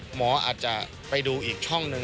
หมออาจจะไปดูอีกช่องหนึ่ง